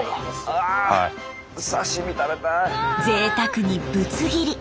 ぜいたくにぶつ切り。